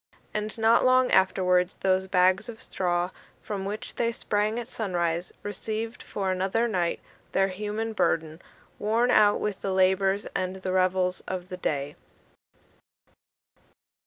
And not long afterwards, those bags of straw, from which they sprang at sunrise, received for another night their human burden, worn out with the labours and the revels of the day.